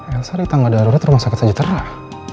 elsa kita gak ada arwah termasuk kita jeterah